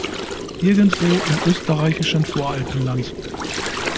Irgendwo im österreichischen Voralpenland.